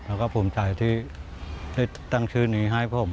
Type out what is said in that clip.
แล้วก็ภูมิใจที่ได้ตั้งชื่อนี้ให้ผม